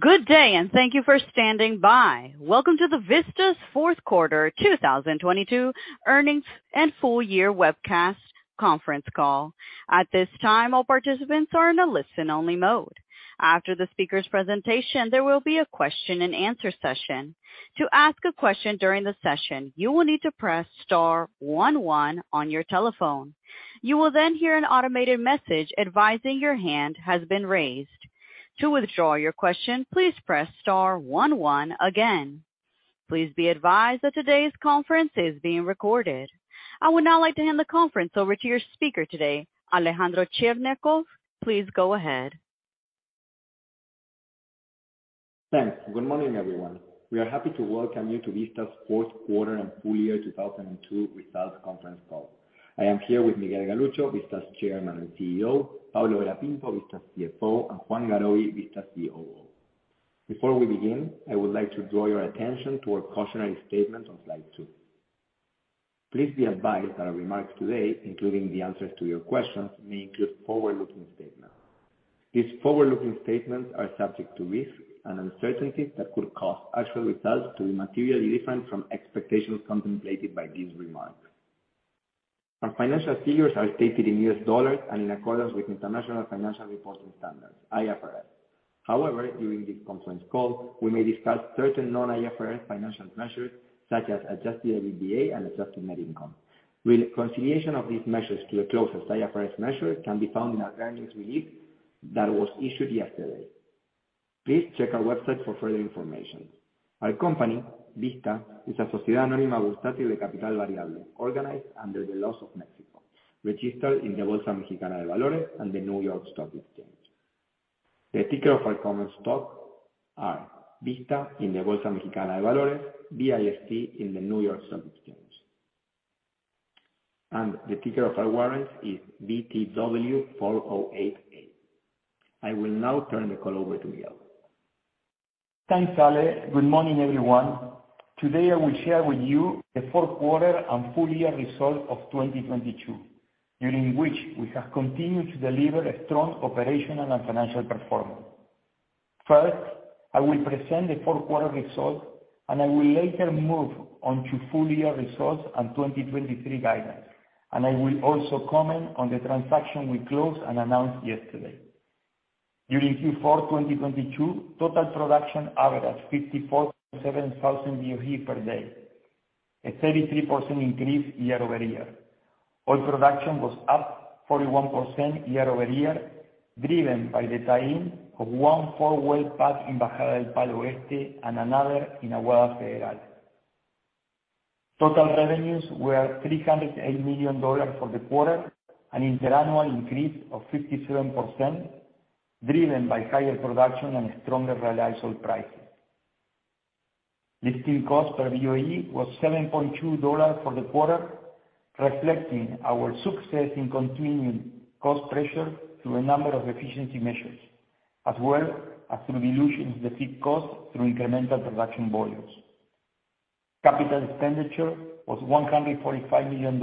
Good day, and thank you for standing by. Welcome to the Vista's fourth quarter 2022 earnings and full year webcast conference call. At this time, all participants are in a listen only mode. After the speaker's presentation, there will be a question and answer session. To ask a question during the session, you will need to press star one one on your telephone. You will then hear an automated message advising your hand has been raised. To withdraw your question, please press star one one again. Please be advised that today's conference is being recorded. I would now like to hand the conference over to your speaker today, Alejandro Cherñacov. Please go ahead. Thanks. Good morning, everyone. We are happy to welcome you to Vista's fourth quarter and full year 2022 results conference call. I am here with Miguel Galuccio, Vista's Chairman and CEO, Pablo Vera Pinto, Vista's CFO, and Juan Garoby, Vista COO. Before we begin, I would like to draw your attention to our cautionary statement on slide two. Please be advised that our remarks today, including the answers to your questions, may include forward-looking statements. These forward-looking statements are subject to risks and uncertainties that could cause actual results to be materially different from expectations contemplated by these remarks. Our financial figures are stated in U.S. dollars and in accordance with International Financial Reporting Standards, IFRS. During this conference call, we may discuss certain non-IFRS financial measures such as adjusted EBITDA and adjusted net income. Reconciliation of these measures to the closest IFRS measure can be found in our earnings release that was issued yesterday. Please check our website for further information. Our company, Vista, is a sociedad anónima bursátil de capital variable organized under the laws of Mexico, registered in the Bolsa Mexicana de Valores and the New York Stock Exchange. The ticker of our common stock are Vista in the Bolsa Mexicana de Valores, VIST in the New York Stock Exchange. The ticker of our warrants is VTW4088. I will now turn the call over to Miguel. Thanks, Ale. Good morning, everyone. Today, I will share with you the fourth quarter and full year results of 2022, during which we have continued to deliver a strong operational and financial performance. First, I will present the fourth quarter results. I will later move on to full year results and 2023 guidance. I will also comment on the transaction we closed and announced yesterday. During Q4 2022, total production averaged 54.7 thousand BOE per day, a 33% increase year-over-year. Oil production was up 41% year-over-year, driven by the tie-in of 14 well pad in Bajada del Palo Oeste and another in Agua Federal. Total revenues were $308 million for the quarter, an interannual increase of 57%, driven by higher production and stronger realizable prices. Lifting cost per BOE was $7.2 for the quarter, reflecting our success in continuing cost pressure through a number of efficiency measures, as well as through dilution of the fixed cost through incremental production volumes. Capital expenditure was $145 million,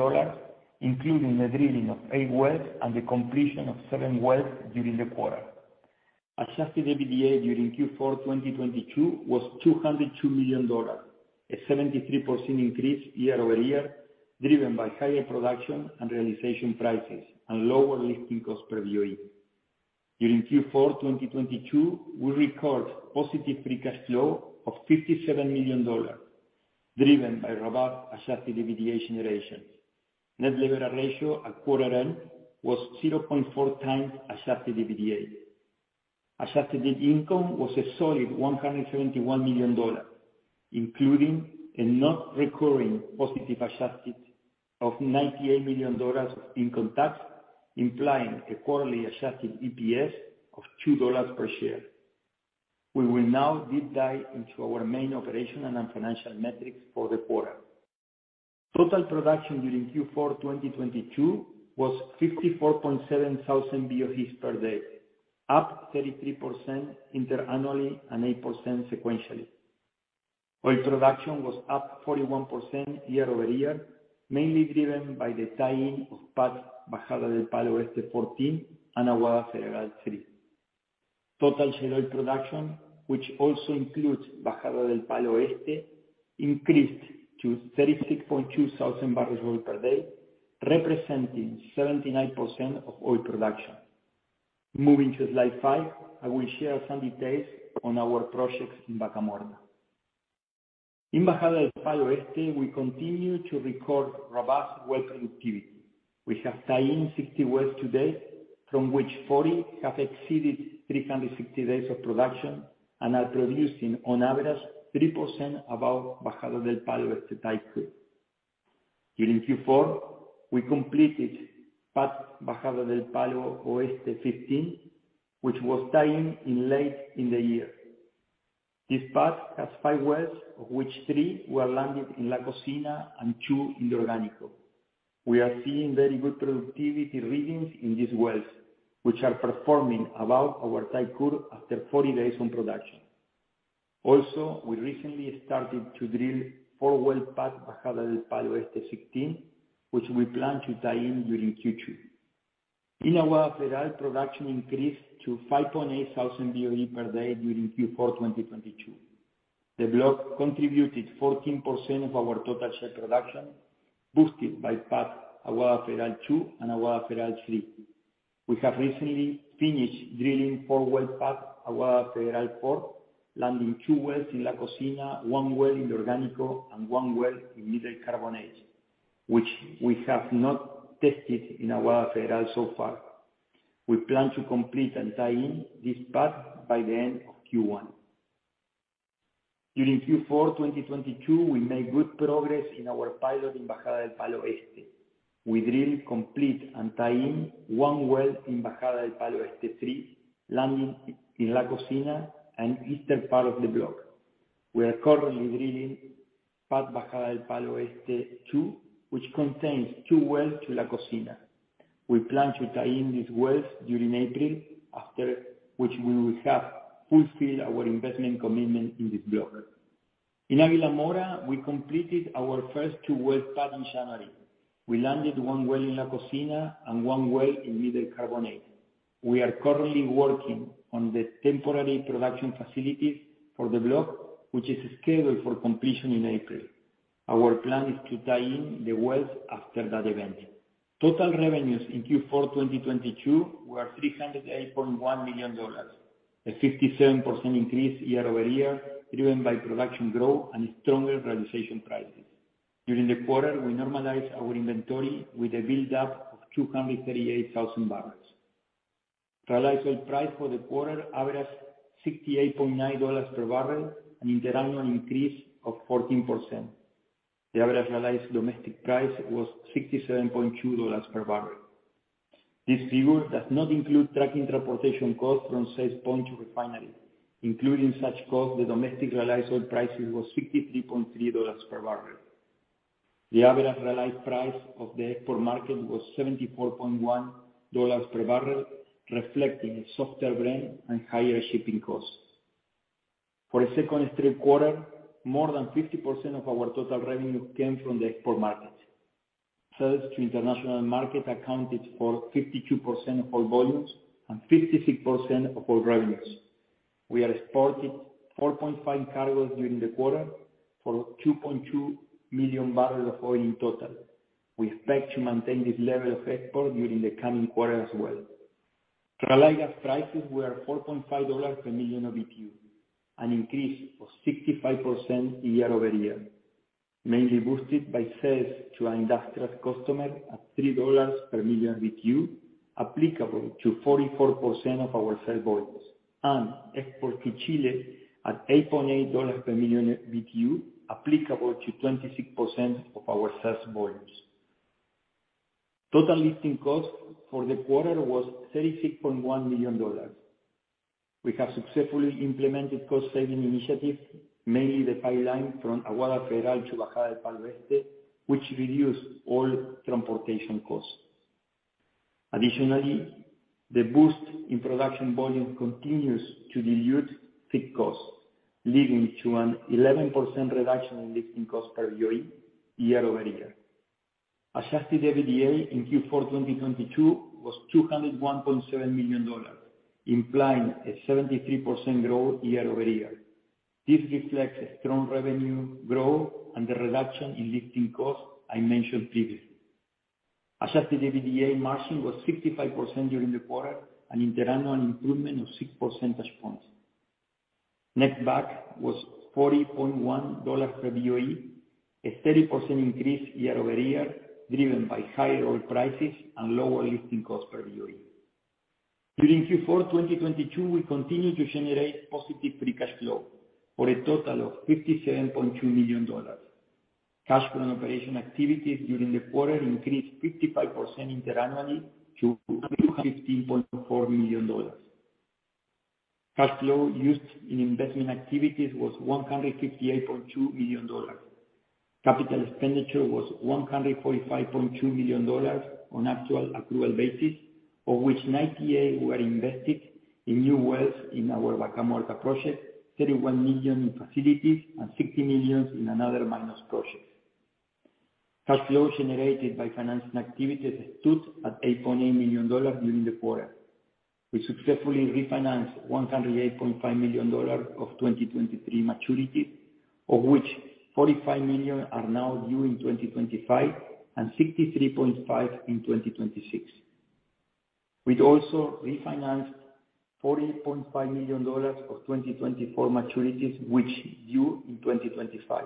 including the drilling of eight wells and the completion of seven wells during the quarter. adjusted EBITDA during Q4 2022 was $202 million, a 73% increase year-over-year, driven by higher production and realization prices and lower lifting cost per BOE. During Q4 2022, we record positive free cash flow of $57 million, driven by robust adjusted EBITDA generation. Net leverage ratio at quarter end was 0.4x adjusted EBITDA. Adjusted net income was a solid $171 million, including a not recurring positive adjusted of $98 million in contacts, implying a quarterly adjusted EPS of $2 per share. We will now deep dive into our main operational and financial metrics for the quarter. Total production during Q4 2022 was 54.7 thousand BOE per day, up 33% interannually and 8% sequentially. Oil production was up 41% year-over-year, mainly driven by the tie-in of pad Bajada del Palo Oeste 14 and Águila Mora three. Total oil production, which also includes Bajada del Palo Oeste, increased to 36.2 thousand barrels of oil per day, representing 79% of oil production. Moving to slide five, I will share some details on our projects in Vaca Muerta. In Bajada del Palo Oeste, we continue to record robust well productivity. We have tied in 60 wells to date, from which 40 have exceeded 360 days of production and are producing on average 3% above Bajada del Palo Oeste type two. During Q4, we completed pad Bajada del Palo Oeste 15, which was tied in late in the year. This pad has five wells, of which three were landed in La Cocina and two in the Orgánico. We are seeing very good productivity readings in these wells, which are performing above our type curve after 40 days on production. We recently started to drill four well pad Bajada del Palo Este 16, which we plan to tie in during Q2. In Aguada Federal, production increased to 5,800 BOE per day during Q4 2022. The block contributed 14% of our total share production, boosted by pad Aguada Federal two and Aguada Federal three. We have recently finished drilling four well pad Aguada Federal four, landing two wells in La Cocina, one well in Orgánico, and one well in Middle Carbonate, which we have not tested in Aguada Federal so far. We plan to complete and tie in this pad by the end of Q1. During Q4 2022, we made good progress in our pilot in Bajada del Palo Oeste. We drill, complete, and tie in one well in Bajada del Palo Oeste three, landing in La Cocina and eastern part of the block. We are currently drilling pad Bajada del Palo Oeste two, which contains two wells to La Cocina. We plan to tie in these wells during April, after which we will have fulfilled our investment commitment in this block. In Águila Mora, we completed our first two well pad in January. We landed 1 well in La Cocina and one well in Middle Carbonate. We are currently working on the temporary production facilities for the block, which is scheduled for completion in April. Our plan is to tie in the wells after that event. Total revenues in Q4 2022 were $308.1 million, a 57% increase year-over-year, driven by production growth and stronger realization prices. During the quarter, we normalized our inventory with a build-up of 238,000 barrels. Realized oil price for the quarter averaged $68.9 per barrel, an interannual increase of 14%. The average realized domestic price was $67.2 per barrel. This figure does not include trucking transportation costs from sales point to refinery. Including such costs, the domestic realized oil prices was $63.3 per barrel. The average realized price of the export market was $74.1 per barrel, reflecting a softer blend and higher shipping costs. For a second straight quarter, more than 50% of our total revenue came from the export market. Sales to international market accounted for 52% of all volumes and 56% of all revenues. We are exporting 4.5 cargoes during the quarter for 2.2 million barrels of oil in total. We expect to maintain this level of export during the coming quarter as well. Realized gas prices were $4.5 per million of BTU, an increase of 65% year-over-year, mainly boosted by sales to an industrial customer at $3 per million BTU, applicable to 44% of our sale volumes, and export to Chile at $8.8 per million BTU, applicable to 26% of our sales volumes. Total lifting costs for the quarter was $36.1 million. We have successfully implemented cost saving initiatives, mainly the pipeline from Aguada Federal to Bajada del Palo Este, which reduced oil transportation costs. Additionally, the boost in production volume continues to dilute fixed costs, leading to an 11% reduction in lifting costs per BOE year-over-year. Adjusted EBITDA in Q4 2022 was $201.7 million, implying a 73% growth year-over-year. This reflects a strong revenue growth and the reduction in lifting costs I mentioned previously. Adjusted EBITDA margin was 65% during the quarter, an interannual improvement of 6 percentage points. Net back was $40.1 per BOE, a 30% increase year-over-year, driven by higher oil prices and lower lifting costs per BOE. During Q4 2022, we continued to generate positive free cash flow for a total of $57.2 million. Cash from operation activities during the quarter increased 55% interannually to $215.4 million. Cash flow used in investment activities was $158.2 million. Capital expenditure was $145.2 million on actual approval basis, of which $98 million were invested in new wells in our Vaca Muerta project, $31 million in facilities, and $60 million in another minor project. Cash flow generated by financing activities stood at $8.8 million during the quarter. We successfully refinanced $108.5 million of 2023 maturities, of which $45 million are now due in 2025 and $63.5 million in 2026. We'd also refinanced $40.5 million of 2024 maturities, which is due in 2025.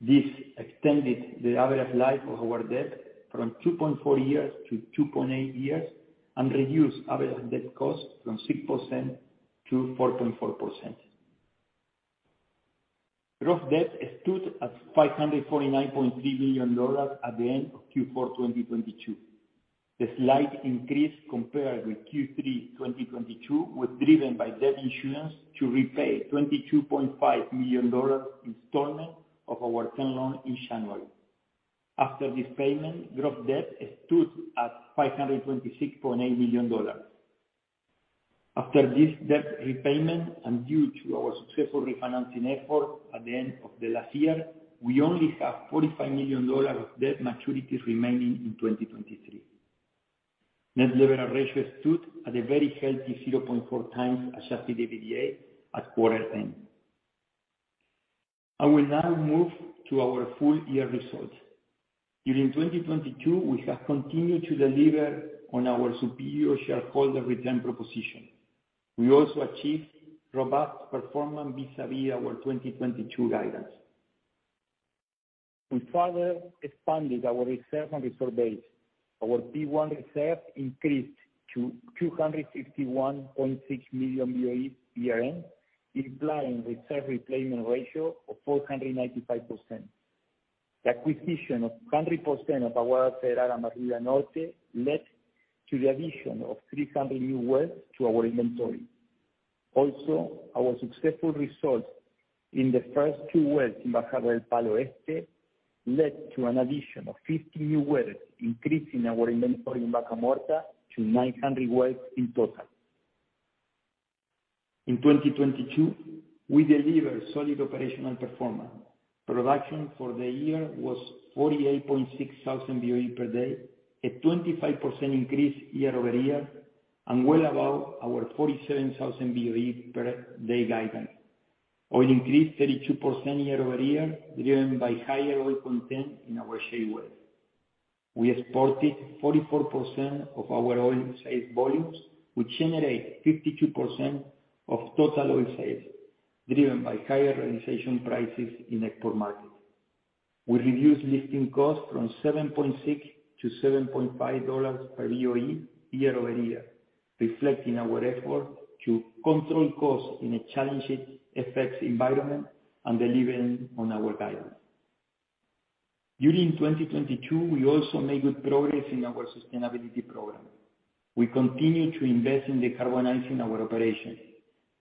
This extended the average life of our debt from 2.4-2.8 years and reduced average debt cost from 6%-4.4%. Gross debt stood at $549.3 million at the end of Q4 2022. The slight increase compared with Q3 2022 was driven by debt issuance to repay $22.5 million installment of our term loan in January. After this payment, gross debt stood at $526.8 million. After this debt repayment and due to our successful refinancing effort at the end of the last year, we only have $45 million of debt maturities remaining in 2023. Net leverage ratio stood at a very healthy 0.4x adjusted EBITDA at quarter end. I will now move to our full year results. During 2022, we have continued to deliver on our superior shareholder return proposition. We also achieved robust performance vis-a-vis our 2022 guidance. We further expanded our reserve and resource base. Our P1 reserve increased to 261.6 million BOE year-end, implying reserve replacement ratio of 495%. The acquisition of 100% of Agua Federal Norte led to the addition of 300 new wells to our inventory. Our successful results in the first two wells in Bajada del Palo Este led to an addition of 50 new wells, increasing our inventory in Vaca Muerta to 900 wells in total. In 2022, we delivered solid operational performance. Production for the year was 48.6 thousand BOE per day, a 25% increase year-over-year and well above our 47,000 BOE per day guidance. Oil increased 32% year-over-year, driven by higher oil content in our shale oils. We exported 44% of our oil sales volumes, which generate 52% of total oil sales, driven by higher realization prices in export markets. We reduced lifting costs from $7.6-$7.5 per BOE year-over-year, reflecting our effort to control costs in a challenging FX environment and delivering on our guidance. During 2022, we also made good progress in our sustainability program. We continue to invest in decarbonizing our operations.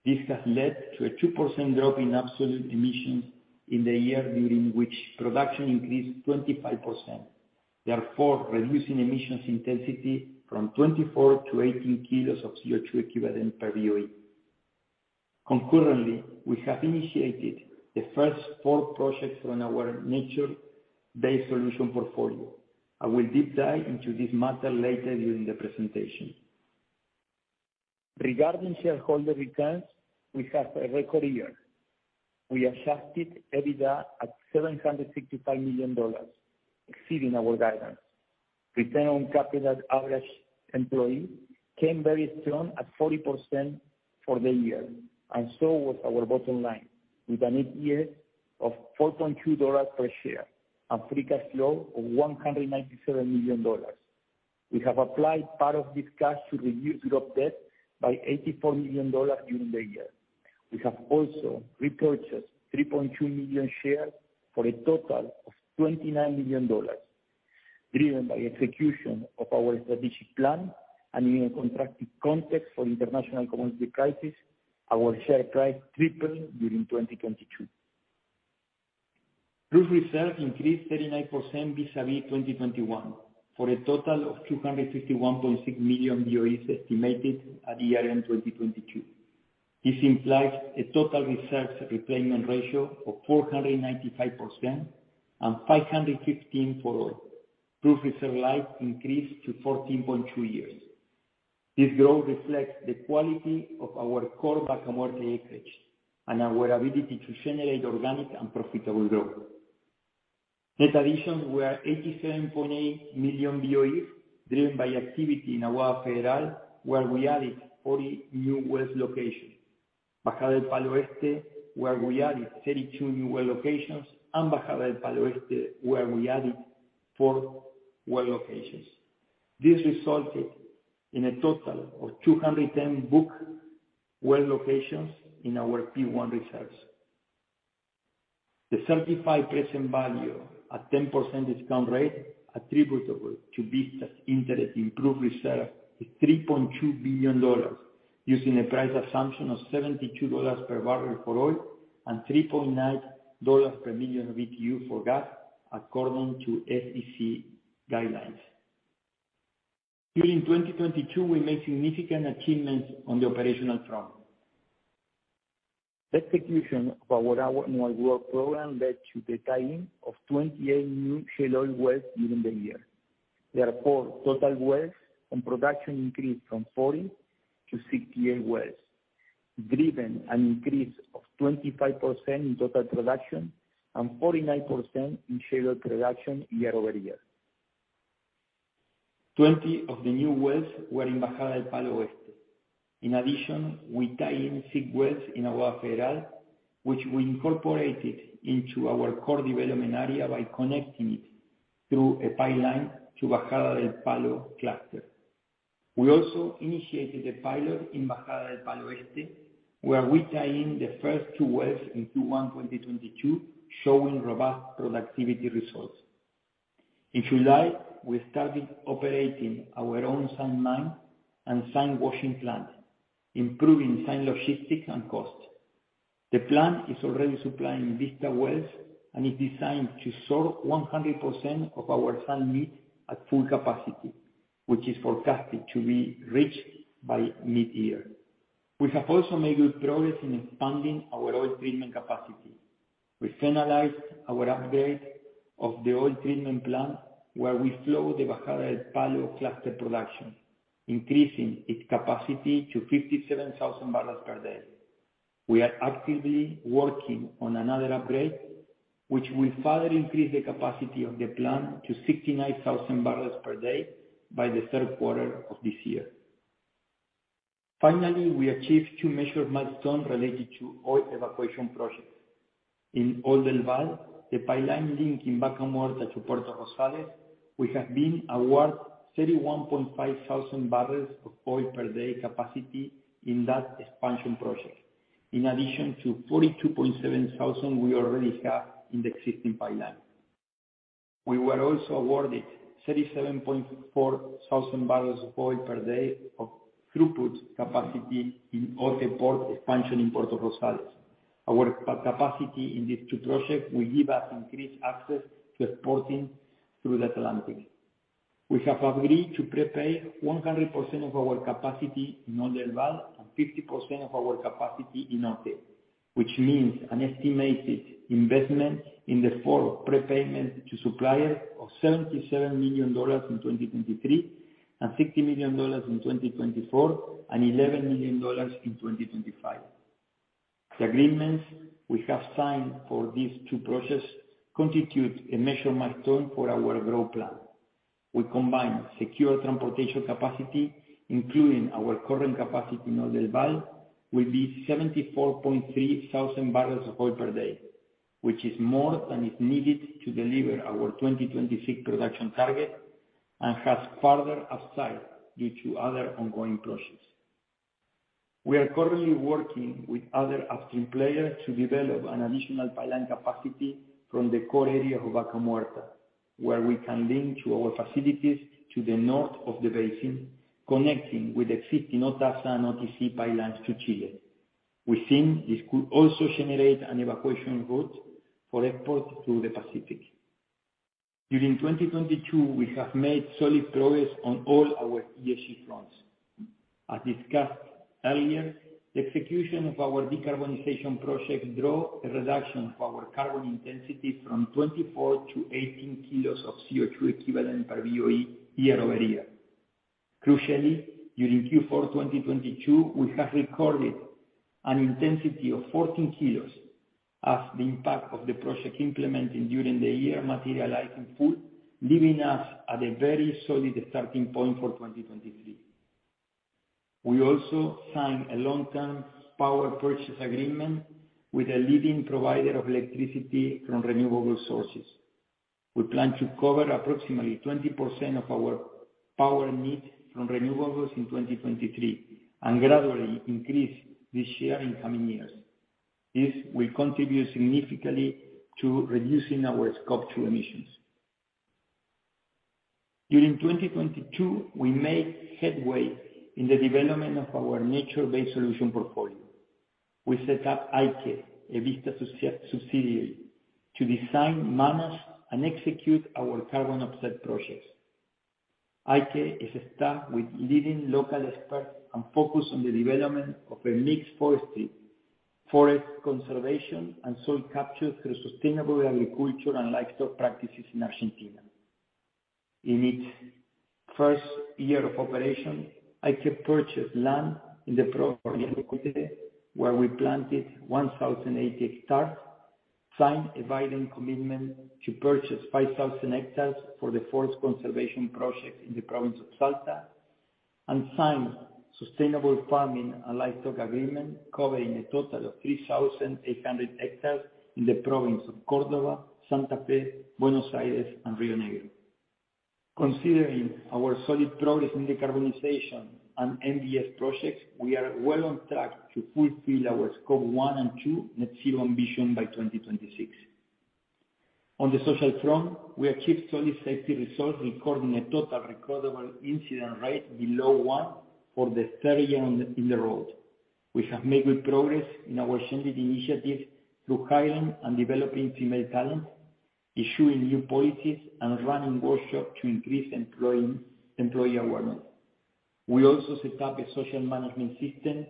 This has led to a 2% drop in absolute emissions in the year during which production increased 25%, therefore reducing emissions intensity from 24-18 kilos of CO₂ equivalent per BOE. Concurrently, we have initiated the first four projects on our nature-based solution portfolio. I will deep dive into this matter later during the presentation. Regarding shareholder returns, we have a record year. We adjusted EBITDA at $755 million, exceeding our guidance. Return on capital average employee came very strong at 40% for the year, and so was our bottom line, with a net year of $4.2 per share and free cash flow of $197 million. We have applied part of this cash to reduce gross debt by $84 million during the year. We have also repurchased 3.2 million shares for a total of $29 million, driven by execution of our strategic plan and in a contracted context for international commodity crisis, our share price tripled during 2022. Proved reserves increased 39% vis-a-vis 2021 for a total of 251.6 million BOEs estimated at year-end 2022. This implies a total reserves replacement ratio of 495% and 515 for proved reserve life increase to 14.2 years. This growth reflects the quality of our core Vaca Muerta acreage and our ability to generate organic and profitable growth. Net additions were 87.8 million BOE, driven by activity in Aguada Mora, where we added 40 new wells locations, Bajada del Palo Oeste, where we added 32 new well locations, and Bajada del Palo Oeste, where we added four well locations. This resulted in a total of 210 booked well locations in our P1 reserves. The certified present value at 10% discount rate attributable to Vista's interest in proved reserve is $3.2 billion, using a price assumption of $72 per barrel for oil and $3.9 per million BTU for gas according to SEC guidelines. During 2022, we made significant achievements on the operational front. Execution of our well program led to the tie-in of 28 new shale oil wells during the year. Total wells and production increased from 40 to 68 wells, driven an increase of 25% in total production and 49% in shale oil production year-over-year. 20 of the new wells were in Bajada del Palo Este. We tied in six wells in Agua Federal, which we incorporated into our core development area by connecting it through a pipeline to Bajada del Palo cluster. We also initiated a pilot in Bajada del Palo Este, where we tie in the first two wells in Q1 2022, showing robust productivity results. In July, we started operating our own sand mine and sand washing plant, improving sand logistics and costs. The plan is already supplying Vista wells and is designed to serve 100% of our sand needs at full capacity, which is forecasted to be reached by mid-year. We have also made good progress in expanding our oil treatment capacity. We finalized our upgrade of the oil treatment plant where we flow the Bajada del Palo cluster production, increasing its capacity to 57,000 barrels per day. We are actively working on another upgrade, which will further increase the capacity of the plant to 69,000 barrels per day by the third quarter of this year. Finally, we achieved two measured milestones related to oil evacuation projects. In Oldelval, the pipeline linking Vaca Muerta to Puerto Rosales, we have been awarded 31.5 thousand barrels of oil per day capacity in that expansion project, in addition to 42.7 thousand we already have in the existing pipeline. We were also awarded 37.4 thousand barrels of oil per day of throughput capacity in OTE port expansion in Puerto Rosales. Our capacity in these two projects will give us increased access to exporting through the Atlantic. We have agreed to prepay 100% of our capacity in Oldelval and 50% of our capacity in OTE, which means an estimated investment in the form of prepayment to suppliers of $77 million in 2023, and $60 million in 2024, and $11 million in 2025. The agreements we have signed for these two projects constitute a measured milestone for our growth plan. We combine secure transportation capacity, including our current capacity in Oldelval, will be 74.3 thousand barrels of oil per day, which is more than is needed to deliver our 2026 production target and has further upside due to other ongoing projects. We are currently working with other upstream players to develop an additional pipeline capacity from the core area of Vaca Muerta, where we can link to our facilities to the north of the basin, connecting with existing OTASA and OTC pipelines to Chile. We think this could also generate an evacuation route for export to the Pacific. During 2022, we have made solid progress on all our ESG fronts. The execution of our decarbonization project draw a reduction of our carbon intensity from 24 to 18 kilos of CO2 equivalent per BOE year-over-year. During Q4 2022, we have recorded an intensity of 14 kilos as the impact of the project implementing during the year materializing full, leaving us at a very solid starting point for 2023. We also signed a long-term power purchase agreement with a leading provider of electricity from renewable sources. We plan to cover approximately 20% of our power needs from renewables in 2023 and gradually increase this share in coming years. This will contribute significantly to reducing our scope two emissions. During 2022, we made headway in the development of our Nature-Based solution portfolio. We set up Aike, a Vista subs-subsidiary, to design, manage, and execute our carbon offset projects. Aike is staffed with leading local experts and focused on the development of a mixed forestry, forest conservation, and soil capture through sustainable agriculture and livestock practices in Argentina. In its first year of operation, Aike purchased land in the province of Neuquén, where we planted 1,080 hectares, signed a binding commitment to purchase 5,000 hectares for the forest conservation project in the province of Salta, and signed sustainable farming and livestock agreement covering a total of 3,800 ha in the province of Córdoba, Santa Fe, Buenos Aires, and Río Negro. Considering our solid progress in decarbonization and MBS projects, we are well on track to fulfill our scope one and two net zero ambition by 2026. On the social front, we achieved solid safety results, recording a total recordable incident rate below one for the third year in a row. We have made good progress in our gender initiative through hiring and developing female talent, issuing new policies, and running workshops to increase employee awareness. We also set up a social management system,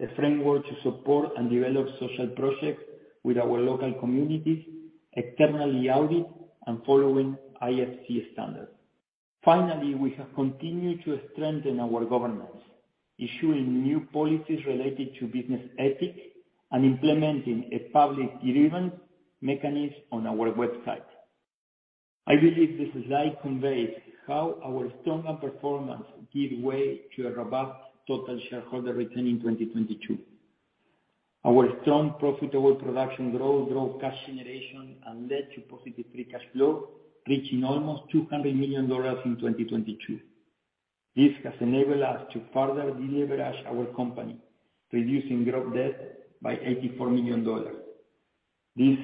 a framework to support and develop social projects with our local communities, externally audit, and following IFC standards. We have continued to strengthen our governance, issuing new policies related to business ethics and implementing a public grievance mechanism on our website. I believe the slide conveys how our stronger performance give way to a robust total shareholder return in 2022. Our strong profitable production growth drove cash generation and led to positive free cash flow, reaching almost $200 million in 2022. This has enabled us to further deleverage our company, reducing gross debt by $84 million. This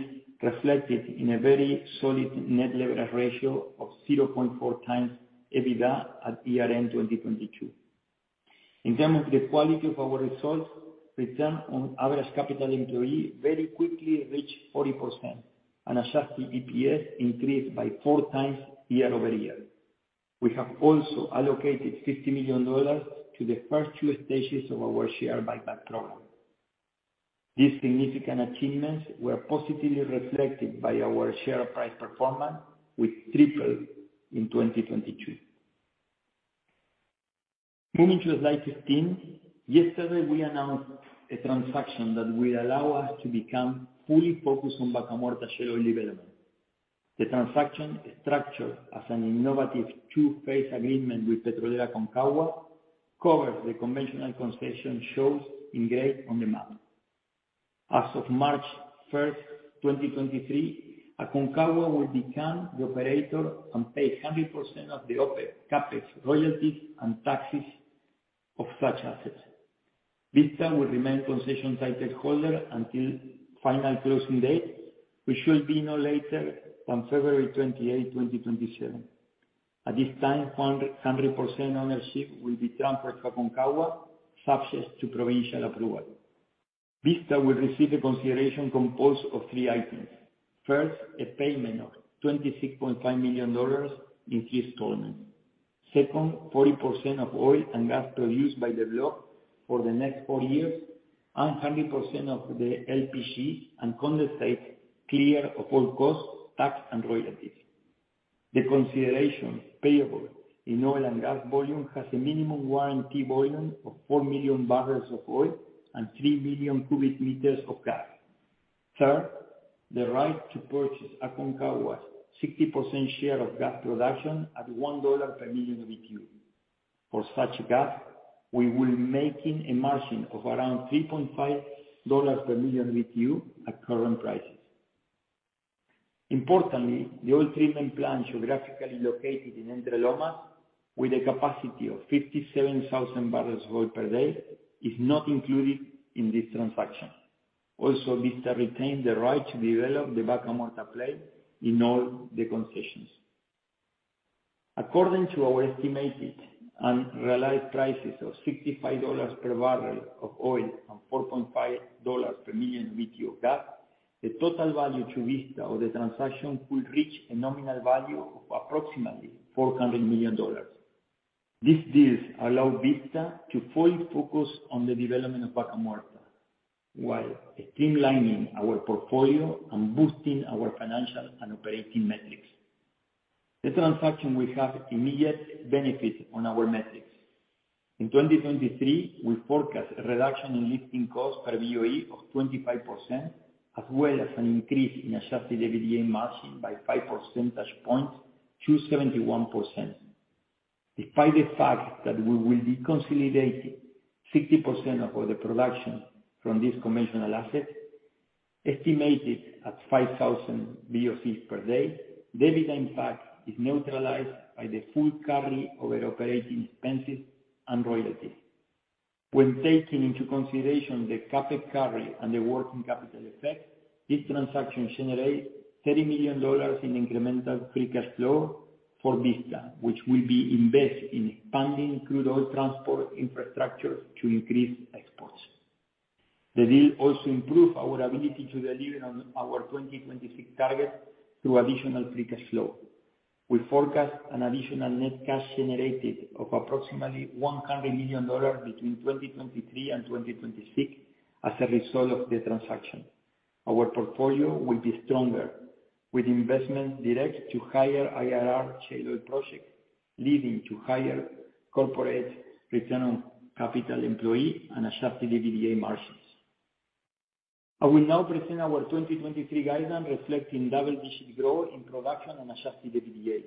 reflected in a very solid net leverage ratio of 0.4x EBITDA at year-end 2022. In terms of the quality of our results, return on average capital employee very quickly reached 40%, and adjusted EPS increased by 4x year-over-year. We have also allocated $50 million to the first two stages of our share buyback program. These significant achievements were positively reflected by our share price performance, which tripled in 2022. Moving to slide 15. Yesterday, we announced a transaction that will allow us to become fully focused on Vaca Muerta shale oil development. The transaction is structured as an innovative two-phase agreement with Petrolera Aconcagua, covers the conventional concession shows engaged on the map. As of March 1, 2023, Aconcagua will become the operator and pay 100% of the OpEx, CapEx, royalties, and taxes of such assets. Vista will remain concession titleholder until final closing date, which should be no later than February 28, 2027. At this time, 100% ownership will be transferred to Aconcagua, subject to provincial approval. Vista will receive a consideration composed of three items. First, a payment of $26.5 million in three installments. Second, 40% of oil and gas produced by the block for the next four years, and 100% of the LPG and condensate, clear of all costs, tax, and royalties. The consideration payable in oil and gas volume has a minimum warranty volume of four million barrels of oil and three million cubic meters of gas. Third, the right to purchase Aconcagua's 60% share of gas production at $1 per million BTU. For such gas, we will be making a margin of around $3.5 per million BTU at current prices. Importantly, the oil treatment plant geographically located in Entre Lomas, with a capacity of 57,000 barrels of oil per day, is not included in this transaction. Vista retained the right to develop the Vaca Muerta play in all the concessions. According to our estimated and realized prices of $65 per barrel of oil and $4.5 per million BTU gas, the total value to Vista of the transaction will reach a nominal value of approximately $400 million. This deal allow Vista to fully focus on the development of Vaca Muerta, while streamlining our portfolio and boosting our financial and operating metrics. The transaction will have immediate benefits on our metrics. In 2023, we forecast a reduction in lifting costs per BOE of 25%, as well as an increase in adjusted EBITDA margin by 5 percentage points to 71%. Despite the fact that we will be consolidating 60% of all the production from this conventional asset, estimated at 5,000 BOC per day, the EBITDA impact is neutralized by the full carry over operating expenses and royalties. When taking into consideration the CapEx carry and the working capital effect, this transaction generates $30 million in incremental free cash flow for Vista, which will be invested in expanding crude oil transport infrastructure to increase exports. The deal also improve our ability to deliver on our 2026 targets through additional free cash flow. We forecast an additional net cash generated of approximately $100 million between 2023 and 2026 as a result of the transaction. Our portfolio will be stronger with investment direct to higher IRR shale oil projects, leading to higher corporate return on capital employee and adjusted EBITDA margins. I will now present our 2023 guidance, reflecting double-digit growth in production and adjusted EBITDA.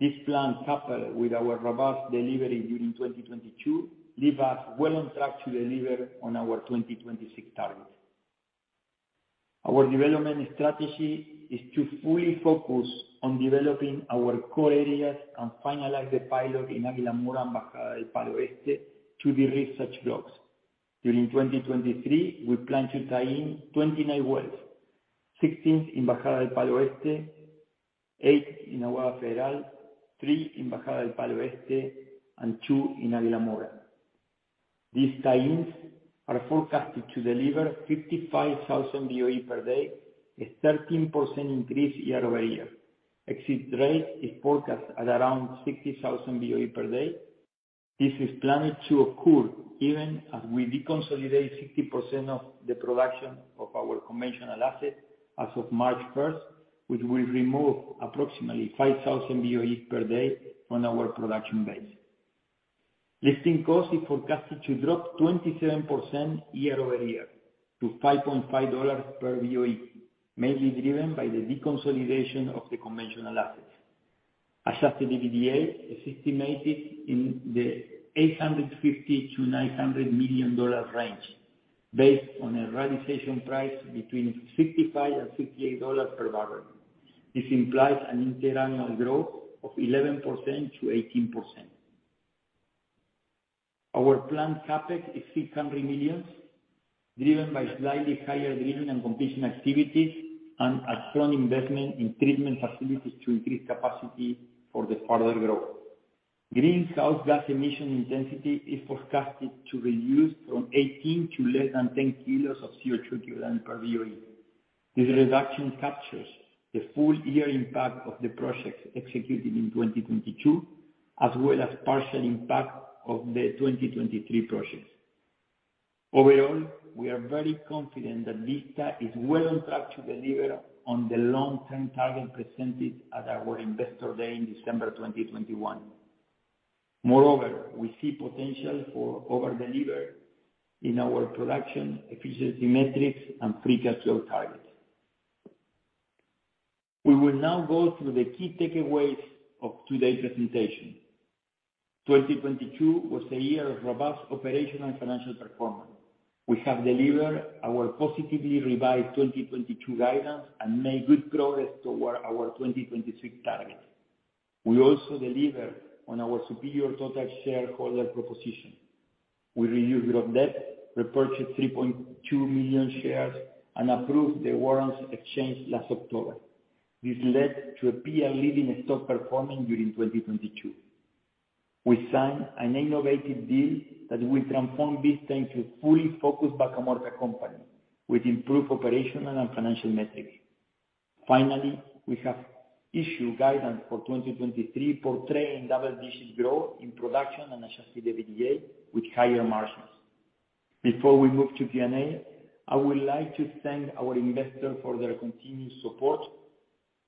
This plan, coupled with our robust delivery during 2022, leave us well on track to deliver on our 2026 targets. Our development strategy is to fully focus on developing our core areas and finalize the pilot in Águila Mora and Bajada del Palo Este to de-risk such blocks. During 2023, we plan to tie in 29 wells, 16 in Bajada del Palo Este, eight in Agua Federal, three in Bajada del Palo Este, and two in Águila Mora. These tie-ins are forecasted to deliver 55,000 BOE per day, a 13% increase year-over-year. Exit rate is forecast at around 60,000 BOE per day. This is planned to occur even as we deconsolidate 60% of the production of our conventional asset as of March 1st, which will remove approximately 5,000 BOE per day from our production base. Lifting cost is forecasted to drop 27% year-over-year to $5.5 per BOE, mainly driven by the deconsolidation of the conventional assets. Adjusted EBITDA is estimated in the $850 million-$900 million range based on a realization price between $65 and $68 per barrel. This implies an interannual growth of 11%-18%. Our planned CapEx is $300 million, driven by slightly higher drilling and completion activities and a strong investment in treatment facilities to increase capacity for the further growth. Greenhouse gas emission intensity is forecasted to reduce from 18 to less than 10 kilos of CO2 equivalent per BOE. This reduction captures the full year impact of the projects executed in 2022, as well as partial impact of the 2023 projects. Overall, we are very confident that Vista is well on track to deliver on the long-term target presented at our investor day in December 2021. Moreover, we see potential for over-deliver in our production efficiency metrics and free cash flow targets. We will now go through the key takeaways of today's presentation. 2022 was a year of robust operational and financial performance. We have delivered our positively revised 2022 guidance and made good progress toward our 2026 targets. We also delivered on our superior total shareholder proposition. We reduced our debt, repurchased 3.2 million shares, and approved the warrants exchange last October. This led to a peer-leading stock performance during 2022. We signed an innovative deal that will transform Vista into a fully focused Vaca Muerta company with improved operational and financial metrics. Finally, we have issued guidance for 2023, portraying double-digit growth in production and adjusted EBITDA with higher margins. Before we move to Q&A, I would like to thank our investors for their continued support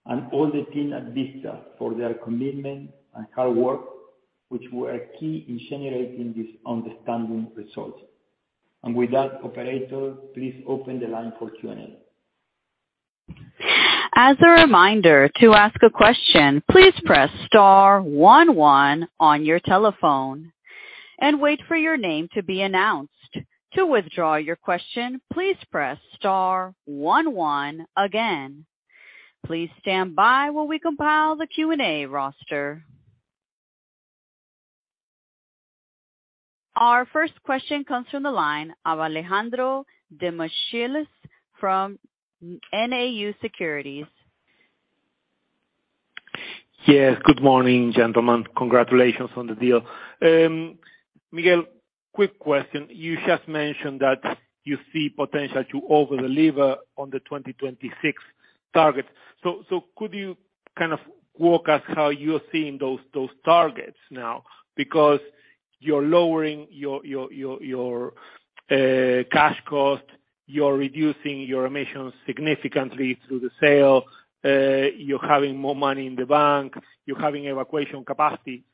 and all the team at Vista for their commitment and hard work, which were key in generating this outstanding results. With that, operator, please open the line for Q&A. As a reminder, to ask a question, please press star one one on your telephone and wait for your name to be announced. To withdraw your question, please press star one one again. Please stand by while we compile the Q&A roster. Our first question comes from the line of Alejandro Demichelis from Nau Securities. Yes, good morning, gentlemen. Congratulations on the deal. Miguel, quick question. You just mentioned that you see potential to over-deliver on the 2026 targets. Could you kind of walk us how you're seeing those targets now? Because you're lowering your cash cost, you're reducing your emissions significantly through the sale, you're having more money in the bank, you're having evacuation capacity.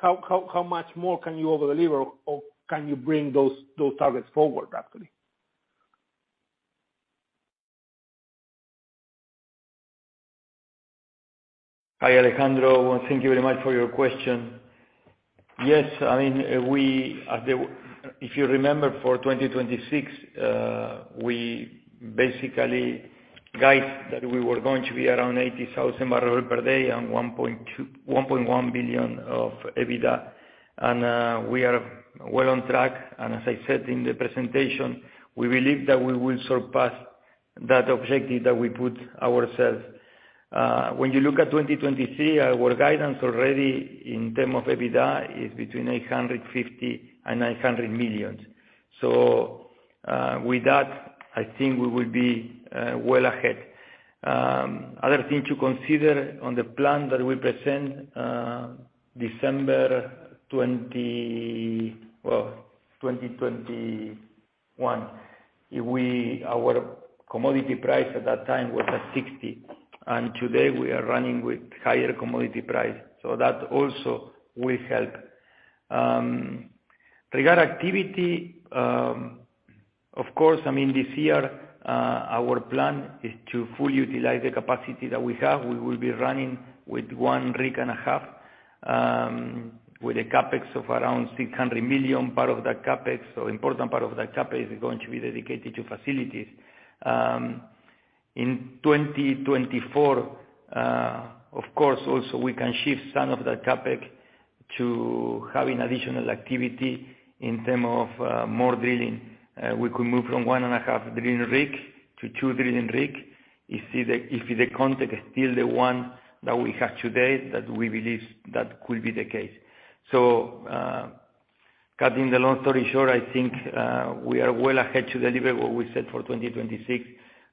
How much more can you over-deliver or can you bring those targets forward, actually? Hi, Alejandro, thank you very much for your question. Yes, I mean, we, if you remember for 2026, we basically guides that we were going to be around 80,000 barrel per day and $1.1 billion of EBITDA. We are well on track. As I said in the presentation, we believe that we will surpass that objective that we put ourselves. When you look at 2023, our guidance already in term of EBITDA is between $850 million and $900 million. With that, I think we will be well ahead. Other thing to consider on the plan that we present December 2021, our commodity price at that time was at $60, today we are running with higher commodity price. That also will help. Regard activity, of course, I mean, this year, our plan is to fully utilize the capacity that we have. We will be running with one rig and a half, with a CapEx of around $600 million. Part of that CapEx, or important part of that CapEx, is going to be dedicated to facilities. In 2024, of course, also, we can shift some of that CapEx to having additional activity in term of more drilling. We could move from one and a half drilling rig to two drilling rig. If the contract is still the one that we have today, that we believe that could be the case. Cutting the long story short, I think, we are well ahead to deliver what we said for 2026,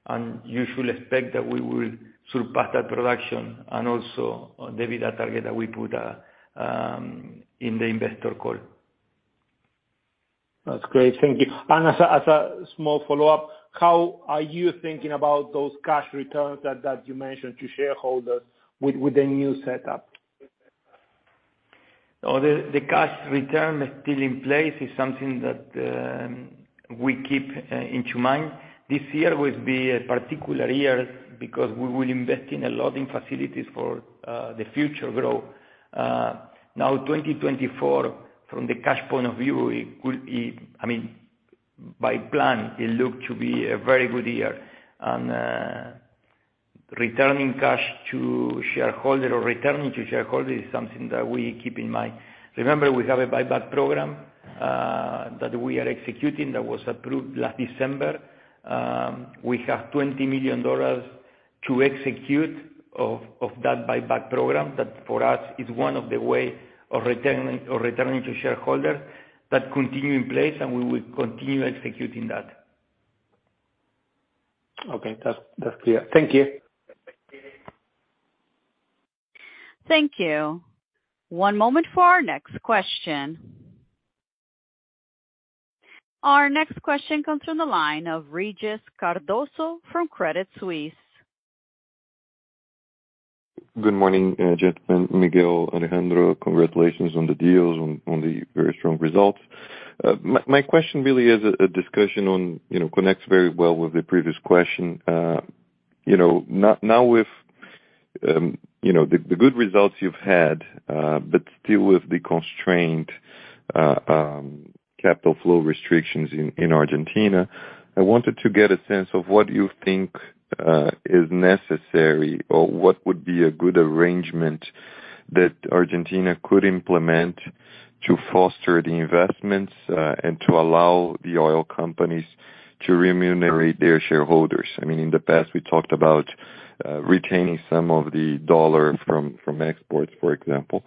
and you should expect that we will surpass that production and also on the EBITDA target that we put in the investor call. That's great. Thank you. As a small follow-up, how are you thinking about those cash returns that you mentioned to shareholders with the new setup? The cash return is still in place. It's something that we keep into mind. This year will be a particular year because we will invest in a lot in facilities for the future growth. Now 2024, from the cash point of view, it could be, I mean, by plan, it look to be a very good year. Returning cash to shareholder or returning to shareholder is something that we keep in mind. Remember, we have a buyback program that we are executing that was approved last December. We have $20 million to execute of that buyback program. That, for us, is one of the way of returning to shareholder that continue in place, and we will continue executing that. Okay. That's clear. Thank you. Thank you. One moment for our next question. Our next question comes from the line of Regis Cardoso from Credit Suisse. Good morning, gentlemen. Miguel, Alejandro, congratulations on the deals, on the very strong results. My question really is a discussion on, you know, connects very well with the previous question. You know, now with, you know, the good results you've had, still with the constraint capital flow restrictions in Argentina, I wanted to get a sense of what you think is necessary or what would be a good arrangement that Argentina could implement to foster the investments and to allow the oil companies to remunerate their shareholders. I mean, in the past, we talked about retaining some of the dollar from exports, for example.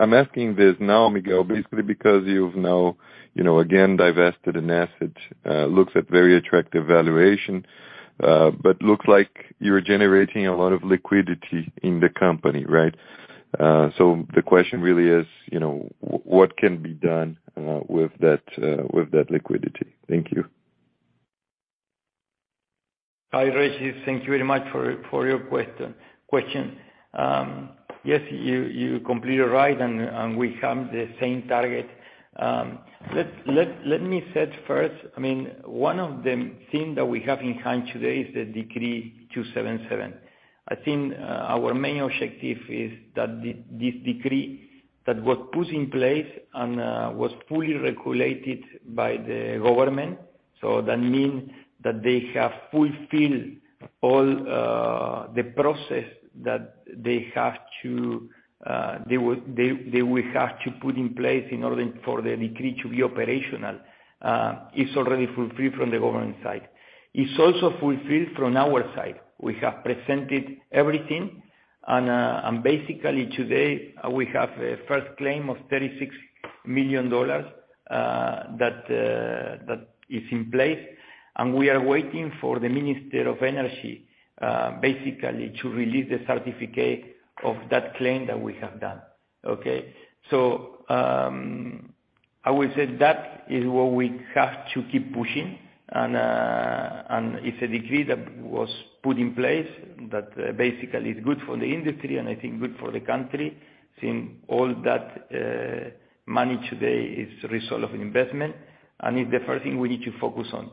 I'm asking this now, Miguel, basically because you've now, you know, again, divested an asset, looks at very attractive valuation, but looks like you're generating a lot of liquidity in the company, right? The question really is, you know, what can be done with that liquidity? Thank you. Hi, Regis. Thank you very much for your question. Yes, you're completely right, and we have the same target. Let me set first, I mean, one of the thing that we have in hand today is the Decree 277/2022. I think our main objective is that this Decree that was put in place and was fully regulated by the government, so that mean that they have fulfilled all the process that they have to, they will have to put in place in order for the Decree to be operational. It's already fulfilled from the government side. It's also fulfilled from our side. We have presented everything and basically to date, we have a first claim of $36 million that is in place. We are waiting for the minister of energy, basically to release the certificate of that claim that we have done. Okay? I would say that is what we have to keep pushing, it's a decree that was put in place that basically is good for the industry and I think good for the country, seeing all that money today is the result of investment, and it's the first thing we need to focus on.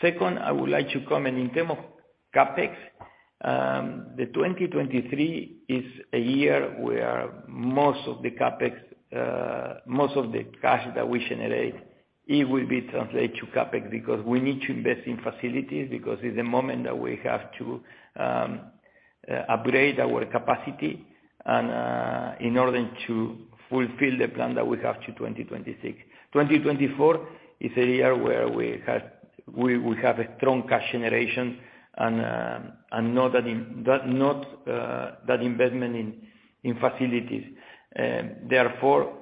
Second, I would like to comment in term of CapEx, the 2023 is a year where most of the CapEx, most of the cash that we generate, it will be translated to CapEx because we need to invest in facilities because it's the moment that we have to upgrade our capacity and in order to fulfill the plan that we have to 2026. 2024 is a year where we had, we have a strong cash generation and not that investment in facilities. Therefore,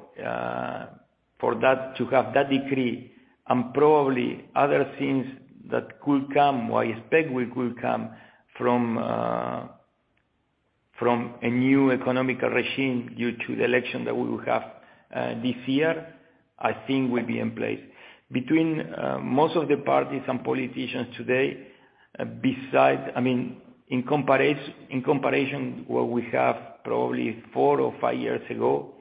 for that to have that decree and probably other things that could come, or I expect will come from a new economical regime due to the election that we will have this year, I think will be in place. Between most of the parties and politicians today, I mean, in comparison what we have probably 4 or 5 years ago,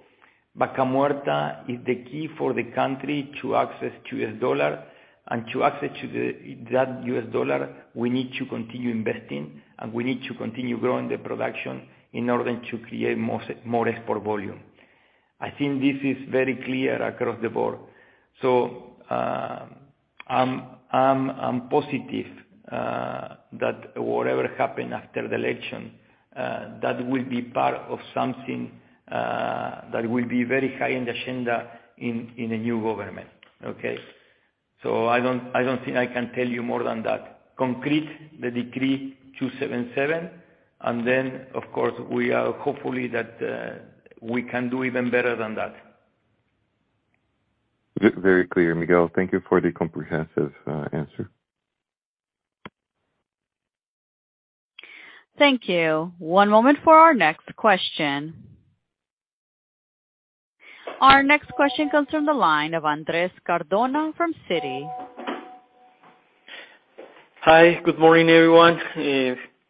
Vaca Muerta is the key for the country to access US dollar, and to access to the, that US dollar, we need to continue investing, and we need to continue growing the production in order to create more export volume. I think this is very clear across the board. I'm positive that whatever happen after the election, that will be part of something that will be very high in the agenda in a new government. Okay? I don't, I don't think I can tell you more than that. Complete the Decree 277. Then of course, we are hopefully that we can do even better than that. Very clear, Miguel. Thank you for the comprehensive answer. Thank you. One moment for our next question. Our next question comes from the line of Andrés Cardona from Citi. Hi. Good morning, everyone.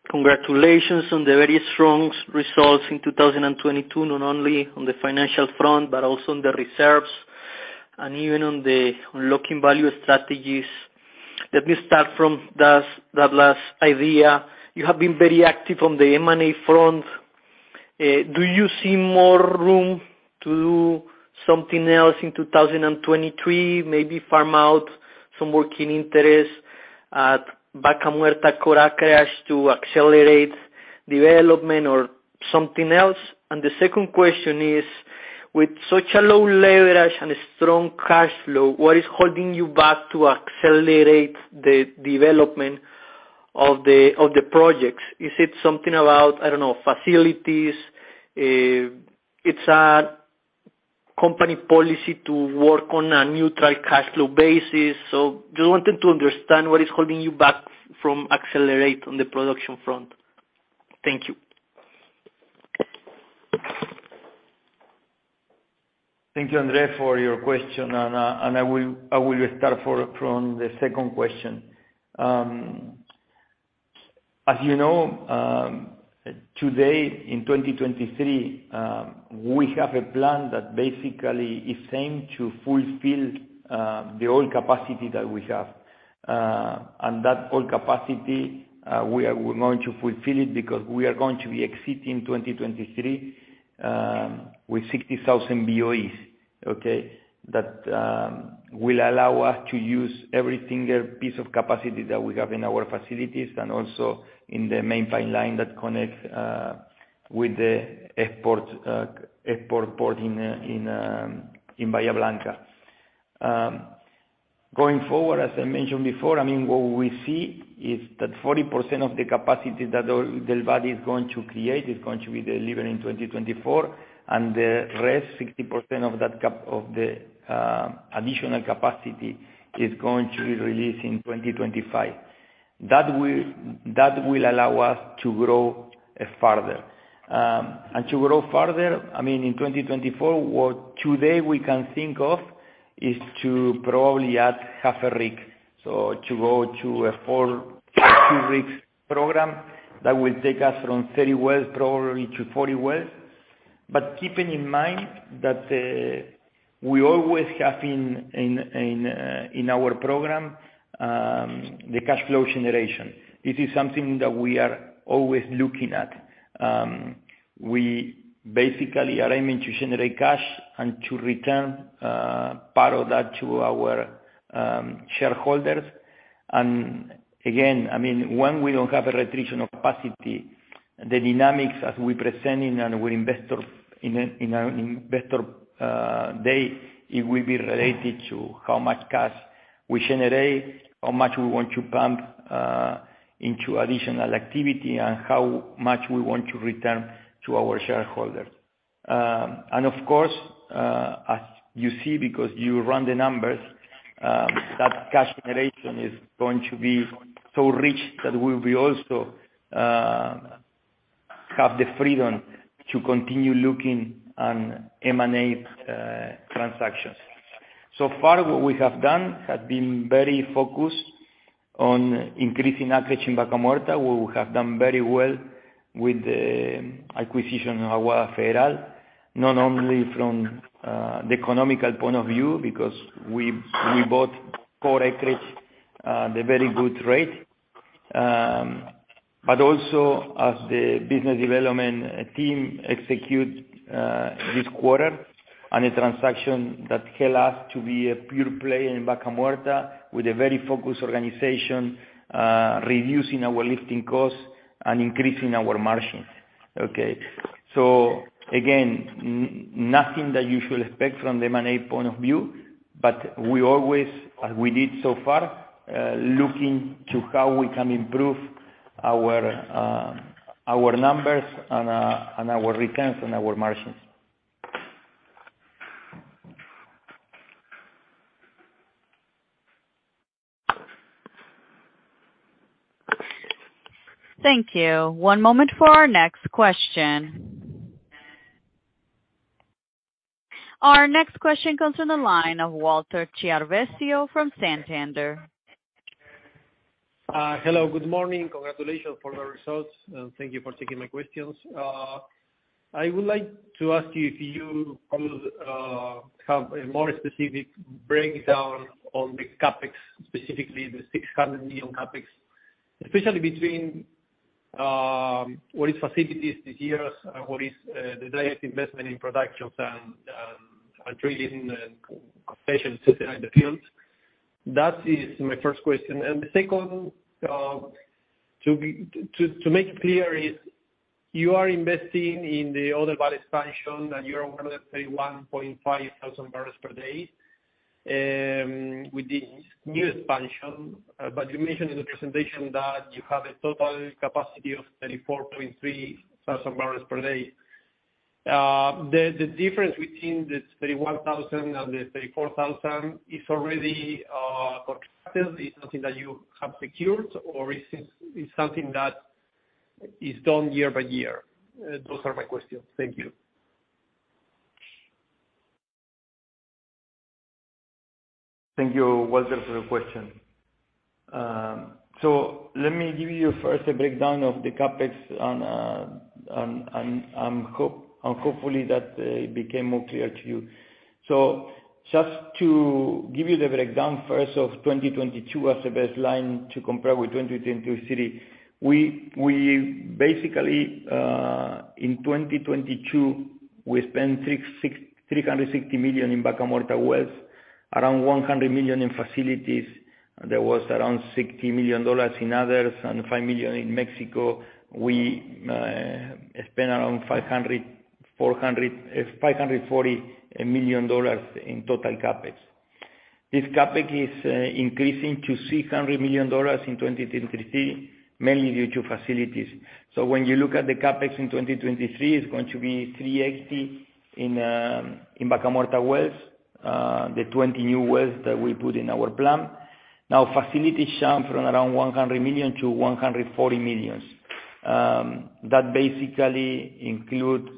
Congratulations on the very strong results in 2022, not only on the financial front, but also on the reserves and even on the unlocking value strategies. Let me start from that last idea. You have been very active on the M&A front. Do you see more room to something else in 2023, maybe farm out some working interest at Vaca Muerta to accelerate development or something else? The second question is: With such a low leverage and a strong cash flow, what is holding you back to accelerate the development of the projects? Is it something about, I don't know, facilities? It's a company policy to work on a neutral cash flow basis. Just wanted to understand what is holding you back from accelerate on the production front. Thank you. Thank you, Andrés, for your question. I will start from the second question. As you know, today in 2023, we have a plan that basically is aimed to fulfill the oil capacity that we have. That oil capacity we are going to fulfill it because we are going to be exiting 2023 with 60,000 BOEs, okay? That will allow us to use every single piece of capacity that we have in our facilities and also in the main pipeline that connects with the export port in Bahía Blanca. going forward, as I mentioned before, I mean, what we see is that 40% of the capacity that our inaudible is going to create is going to be delivered in 2024, and the rest, 60% of the additional capacity is going to be released in 2025. That will allow us to grow farther. To grow farther, I mean, in 2024, what today we can think of is to probably add half a rig, so to go to a four or five rigs program that will take us from 30 wells probably to 40 wells. Keeping in mind that we always have in our program the cash flow generation. This is something that we are always looking at. We basically are aiming to generate cash and to return part of that to our shareholders. Again, I mean, when we don't have a attrition of capacity, the dynamics as we presented on our investor day, it will be related to how much cash we generate, how much we want to pump into additional activity, and how much we want to return to our shareholders. Of course, as you see, because you run the numbers, that cash generation is going to be so rich that we will also have the freedom to continue looking on M&A transactions. So far, what we have done has been very focused on increasing acreage in Vaca Muerta, where we have done very well with the acquisition of Agua Federal. Not only from the economical point of view, because we bought core acreage at a very good rate, but also as the business development team execute this quarter. A transaction that help us to be a pure play in Vaca Muerta with a very focused organization, reducing our lifting costs and increasing our margins. Okay. Again, nothing that you should expect from the M&A point of view, but we always, as we did so far, looking to how we can improve our numbers and our returns and our margins. Thank you. One moment for our next question. Our next question comes from the line of Walter Chiarvesio from Santander. Hello, good morning. Congratulations for the results, and thank you for taking my questions. I would like to ask you if you could have a more specific breakdown on the CapEx, specifically the $600 million CapEx, especially between what is facilities this year, what is the direct investment in productions and drilling and completion to design the fields. That is my first question. The second, to make it clear, is you are investing in the Oldelval expansion, and you're, let's say, 1.5 thousand barrels per day with the new expansion. You mentioned in the presentation that you have a total capacity of 34.3 thousand barrels per day. The difference between the 31 thousand and the 34 thousand is already contracted? It's something that you have secured or is it's something that is done year by year? Those are my questions. Thank you. Thank you, Walter, for your question. Let me give you first a breakdown of the CapEx and hopefully that became more clear to you. Just to give you the breakdown first of 2022 as a baseline to compare with 2023, we basically in 2022, we spent $360 million in Vaca Muerta wells. Around $100 million in facilities. There was around $60 million in others and $5 million in Mexico. We spent around $540 million in total CapEx. This CapEx is increasing to $600 million in 2023, mainly due to facilities. When you look at the CapEx in 2023, it's going to be $380 in Vaca Muerta wells, the 20 new wells that we put in our plan. Now, facilities jump from around $100 million to $140 millions. That basically include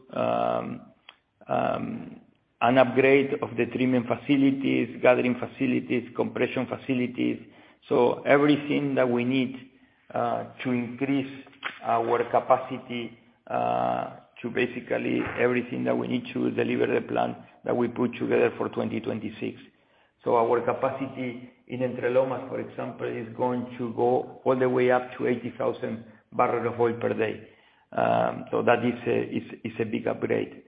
an upgrade of the treatment facilities, gathering facilities, compression facilities. Everything that we need to increase our capacity to basically everything that we need to deliver the plan that we put together for 2026. Our capacity in Entre Lomas, for example, is going to go all the way up to 80,000 barrels of oil per day. That is a big upgrade.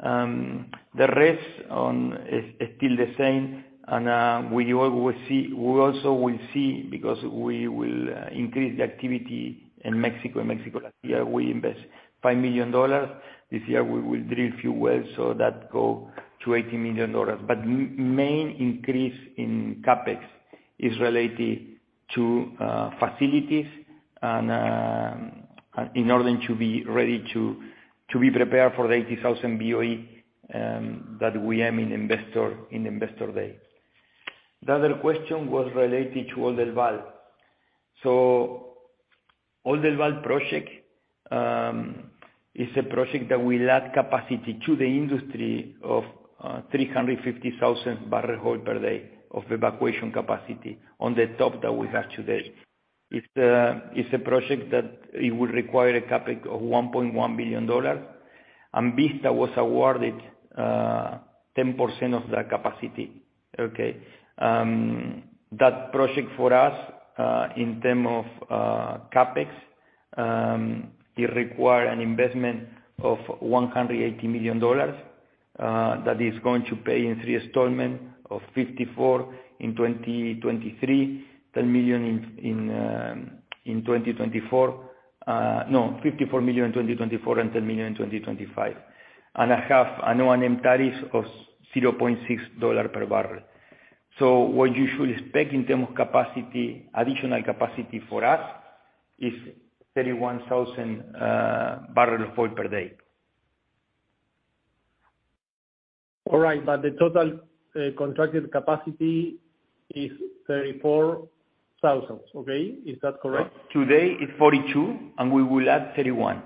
The rest is still the same. We also will see, because we will increase the activity in Mexico. In Mexico last year, we invest $5 million. This year we will drill a few wells, that go to $80 million. Main increase in CapEx is related to facilities and in order to be ready to be prepared for the 80,000 BOE that we aim in investor day. The other question was related to Oldelval. Oldelval project is a project that will add capacity to the industry of 350,000 barrel oil per day of evacuation capacity on the top that we have today. It's a project that it will require a CapEx of $1.1 billion. Vista was awarded 10% of that capacity. Okay? That project for us, in term of CapEx, it require an investment of $180 million that is going to pay in three installment of $54 in 2023, $10 million in 2024. $54 million in 2024 and $10 million in 2025. An MTIF of $0.6 per barrel. What you should expect in term of capacity, additional capacity for us is 31,000 barrel of oil per day. All right. The total contracted capacity is 34,000, okay? Is that correct? Today it's 42, and we will add 31.5.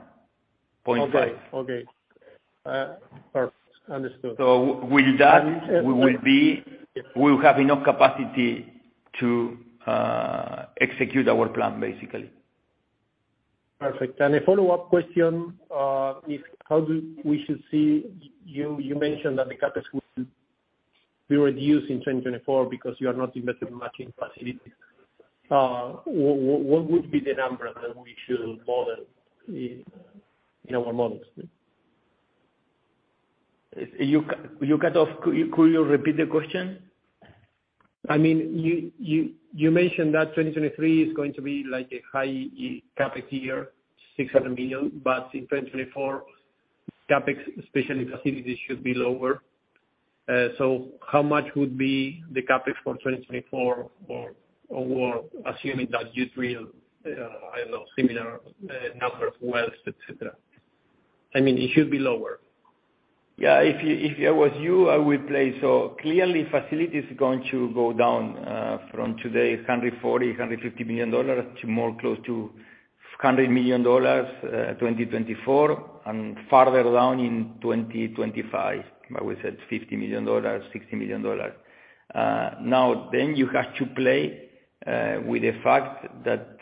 Okay. Okay. Perfect. Understood. With that, we will have enough capacity to execute our plan, basically. Perfect. A follow-up question, is how do we should see. You mentioned that the CapEx will be reduced in 2024 because you are not investing much in facilities. What would be the number that we should model in our models? You cut off. Could you repeat the question? I mean, you mentioned that 2023 is going to be like a high CapEx year, $600 million, but in 2024, CapEx, especially facilities, should be lower. How much would be the CapEx for 2024 or assuming that you drill, I don't know, similar number of wells, et cetera? I mean, it should be lower. Yeah. If I was you, I would play... Clearly facilities are going to go down from today's $140 million-$150 million to more close to $100 million, 2024 and farther down in 2025. Like we said, $50 million-$60 million. You have to play with the fact that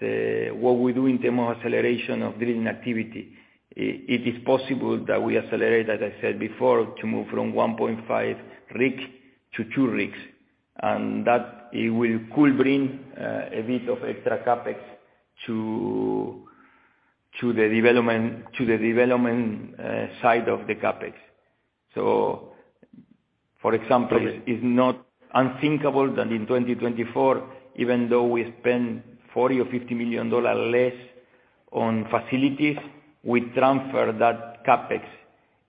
what we do in term of acceleration of drilling activity. It is possible that we accelerate, as I said before, to move from 1.5 rigs to two rigs, and that it will, could bring a bit of extra CapEx to the development side of the CapEx. For example- Okay. it's not unthinkable that in 2024, even though we spend $40 million or $50 million less on facilities, we transfer that CapEx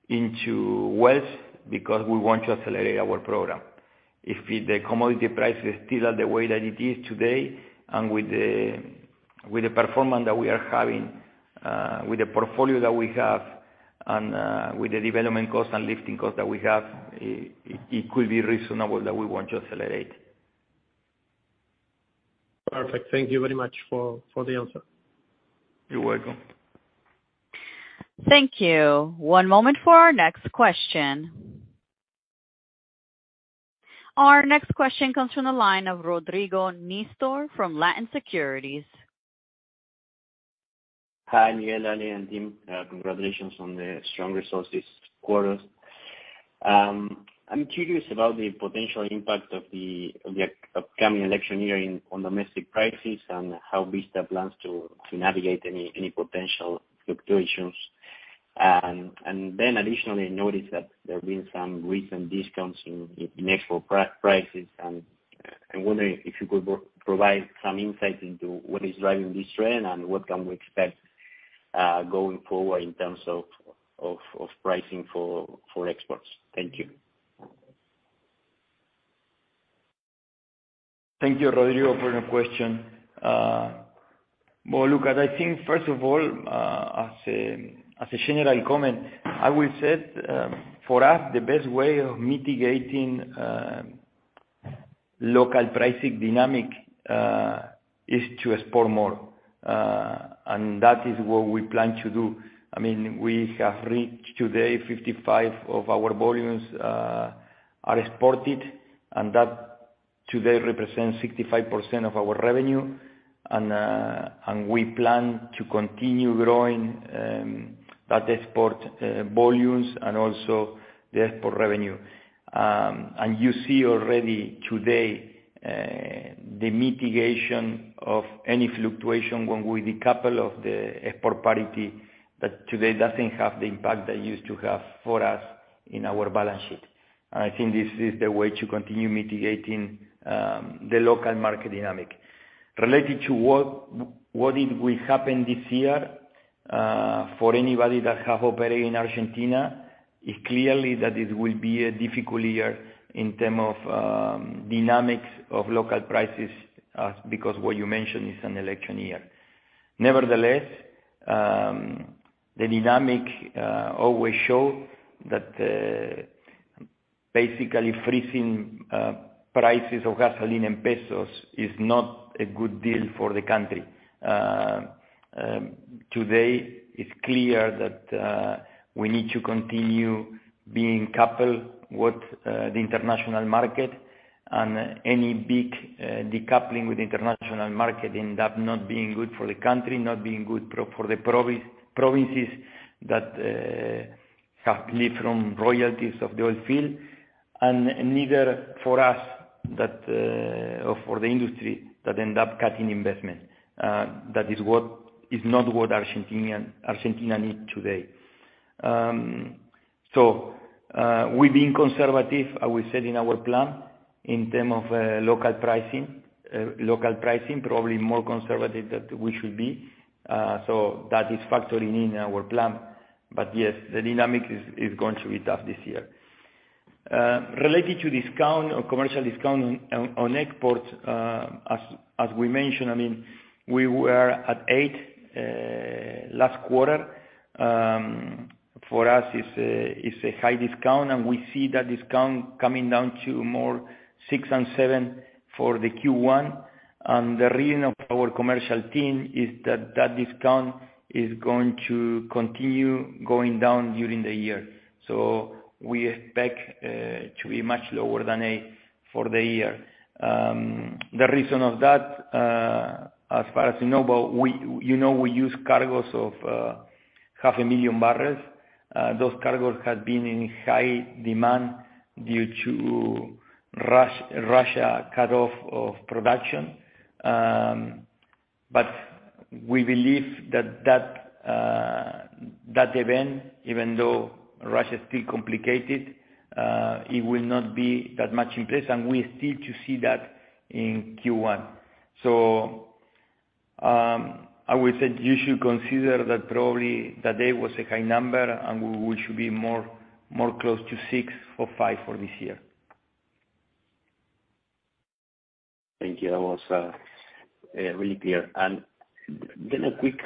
into wells because we want to accelerate our program. If the commodity prices still are the way that it is today and with the performance that we are having, with the portfolio that we have and with the development costs and lifting costs that we have, it could be reasonable that we want to accelerate. Perfect. Thank you very much for the answer. You're welcome. Thank you. One moment for our next question. Our next question comes from the line of Rodrigo Nistor from Latin Securities. Hi, Miguel, Ale, and team. Congratulations on the strong resources quarters. I'm curious about the potential impact of the upcoming election year in, on domestic prices and how Vista plans to navigate any potential fluctuations. Additionally, I noticed that there have been some recent discounts in export prices. I'm wondering if you could provide some insight into what is driving this trend and what can we expect going forward in terms of pricing for exports. Thank you. Thank you, Rodrigo, for the question. Well, look, as I think, first of all, as a general comment, I will say, for us, the best way of mitigating local pricing dynamic is to export more. That is what we plan to do. I mean, we have reached today 55 of our volumes are exported, and that today represents 65% of our revenue. We plan to continue growing that export volumes and also the export revenue. You see already today the mitigation of any fluctuation when we decouple of the export parity that today doesn't have the impact that it used to have for us in our balance sheet. I think this is the way to continue mitigating the local market dynamic. Related to what it will happen this year, for anybody that have operated in Argentina, is clearly that it will be a difficult year in terms of dynamics of local prices, because what you mentioned, it's an election year. Nevertheless, the dynamic always show that basically freezing prices of gasoline in pesos is not a good deal for the country. Today it's clear that we need to continue being coupled with the international market and any big decoupling with international market end up not being good for the country, not being good for the provinces that have lived from royalties of the oil field. Neither for us that or for the industry that end up cutting investment. That is what is not what Argentina need today. We're being conservative, as we said in our plan, in term of local pricing, local pricing, probably more conservative than we should be. That is factoring in our plan. Yes, the dynamic is going to be tough this year. Related to discount or commercial discount on exports, as we mentioned, I mean, we were at eight last quarter. For us, it's a high discount, and we see that discount coming down to more six and seven for the Q1. The reading of our commercial team is that that discount is going to continue going down during the year. We expect to be much lower than eight for the year. The reason of that, as far as we know about, you know, we use cargoes of half a million barrels. Those cargoes have been in high demand due to Russia cut off of production. We believe that that event, even though Russia is still complicated, it will not be that much in place, and we still to see that in Q1. I would say you should consider that probably that eight was a high number and we should be more close to six or five for this year. Thank you. That was really clear. A quick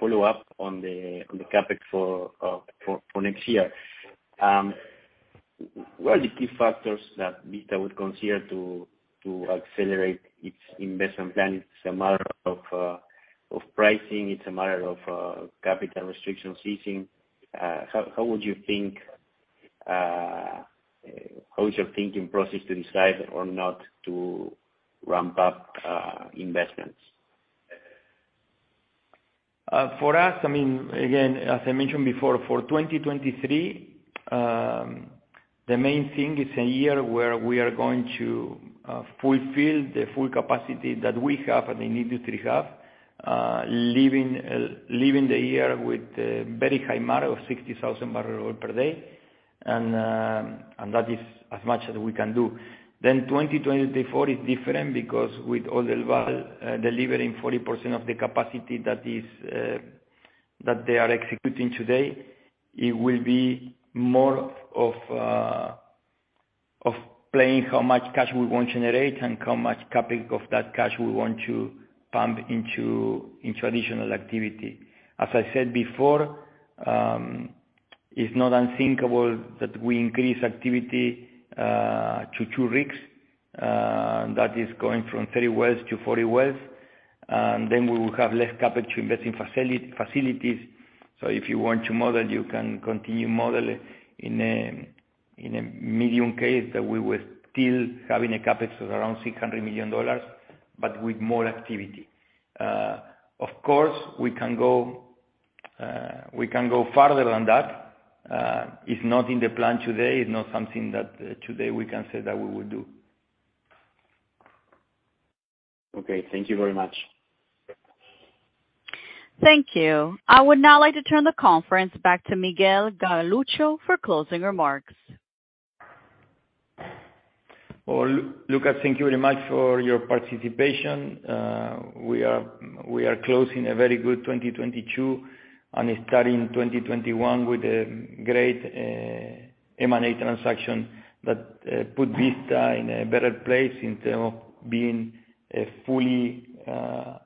follow-up on the CapEx for next year. What are the key factors that Vista would consider to accelerate its investment plan? It's a matter of pricing, it's a matter of capital restrictions easing. How would you think, how is your thinking process to decide or not to ramp up investments? For us, again, as I mentioned before, for 2023, the main thing is a year where we are going to fulfill the full capacity that we have and the industry have, leaving the year with a very high margin of 60,000 barrel oil per day. That is as much as we can do. 2024 is different because with Oldelval delivering 40% of the capacity that they are executing today, it will be more of playing how much cash we want to generate and how much CapEx of that cash we want to pump into, in traditional activity. As I said before, it's not unthinkable that we increase activity to two rigs, that is going from 30 wells to 40 wells. We will have less CapEx to invest in facilities. If you want to model, you can continue modeling in a medium case that we will still having a CapEx of around $600 million, but with more activity. Of course, we can go farther than that. It's not in the plan today. It's not something that today we can say that we will do. Okay. Thank you very much. Thank you. I would now like to turn the conference back to Miguel Galuccio for closing remarks. Well, Lucas, thank you very much for your participation. We are closing a very good 2022 and starting 2021 with a great M&A transaction that put Vista in a better place in term of being a fully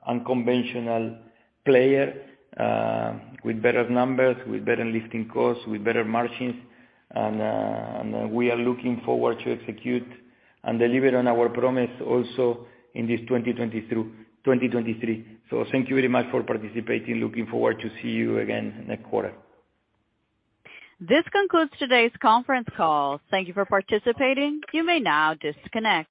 unconventional player, with better numbers, with better lifting costs, with better margins. We are looking forward to execute and deliver on our promise also in this 2020 through 2023. Thank you very much for participating. Looking forward to see you again next quarter. This concludes today's conference call. Thank you for participating. You may now disconnect.